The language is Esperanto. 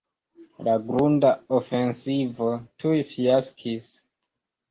La grunda ofensivo tuj fiaskis.